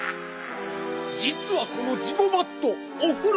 じつはこのジゴバットおふろが大っきらい。